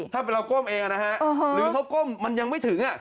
ถ้าเป็นเราก้มเองนะฮะหรือเขาก้มมันยังไม่ถึง